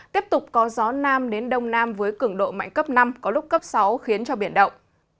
tiếp tục có gió nam đến đông nam với cường độ mạnh cấp năm có lúc cấp sáu khiến cho biển động